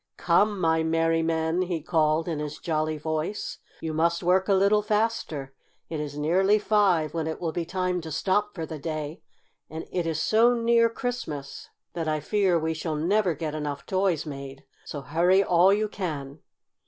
"Come, my merry men!" he called in his jolly voice, "you must work a little faster. It is nearly five, when it will be time to stop for the day, and it is so near Christmas that I fear we shall never get enough toys made. So hurry all you can!"